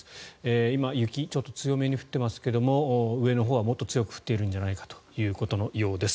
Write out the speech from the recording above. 今、雪ちょっと強めに降っていますが上のほうはもっと強く降っているんじゃないかということのようです。